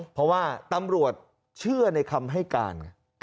เพราะว่าตำรวจเชื่อในคำให้การ